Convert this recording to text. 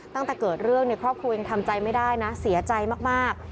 ตั้งแต่เกิดเรื่องครอบครัวยังทำใจไม่ได้นะเสียใจมาก